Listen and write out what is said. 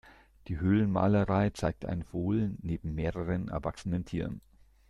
Die Höhlenmalerei zeigt ein Fohlen neben mehreren erwachsenen Tieren.